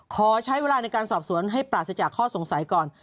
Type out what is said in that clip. ขอใช้เวลาในการสอบสวนให้ปราศจากข้อสงสัยก่อน